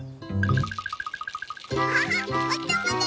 ハハおともだちみっけ！